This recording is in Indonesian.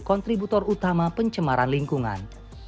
kontributor utama pencemaran lingkungan